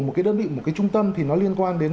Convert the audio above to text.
một cái đơn vị một cái trung tâm thì nó liên quan đến